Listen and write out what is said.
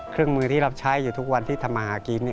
เครื่องมือที่รับใช้อยู่ทุกวันที่ทำมาหากิน